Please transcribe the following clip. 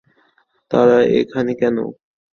তারা এখানে কেন?